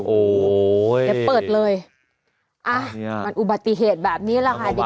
โอ้โหเดี๋ยวเปิดเลยอ่ะมันอุบัติเหตุแบบนี้แหละค่ะ